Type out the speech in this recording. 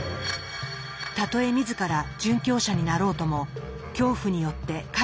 たとえ自ら「殉教者」になろうとも「恐怖」によって彼らと戦うのだ。